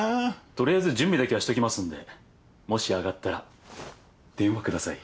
取りあえず準備だけはしときますんでもし上がったら電話下さい。